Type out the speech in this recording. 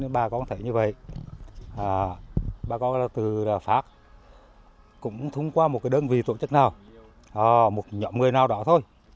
bà con thấy như vậy bà con từ pháp cũng thông qua một đơn vị tổ chức nào một nhóm người nào đó thôi